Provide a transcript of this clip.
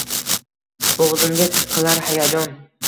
Bo’g’zimga tiqilar hayajon.